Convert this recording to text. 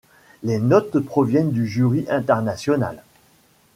Les notes proviennent du jury international.